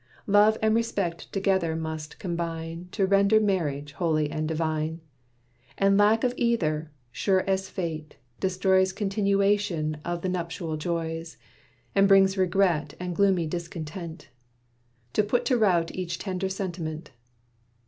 Love and respect together must combine To render marriage holy and divine; And lack of either, sure as Fate, destroys Continuation of the nuptial joys, And brings regret, and gloomy discontent, To put to rout each tender sentiment.